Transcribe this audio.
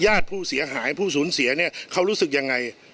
ญาติผู้เสียหายผู้สูญเสียเนี่ยเขารู้สึกยังไง